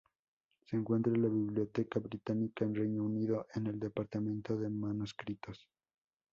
Se encuentra en la Biblioteca Británica, en Reino Unido, en el Departamento de Manuscritos.